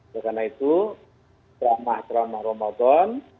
karena itu ramah ramah ramadan